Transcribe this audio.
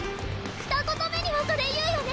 ふた言目にはそれ言うよね？